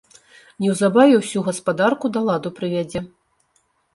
Неўзабаве ўсю гаспадарку да ладу прывядзе.